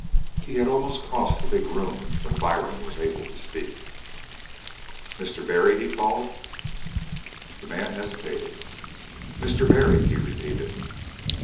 He had almost crossed the big room when Byrne was able to speak. "Mr. Barry!" he called. The man hesitated. "Mr. Barry," he repeated.